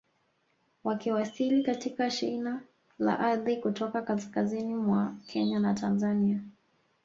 Wakiwasili katika shina la ardhi kutoka kaskazini mwa Kenya na Tanzania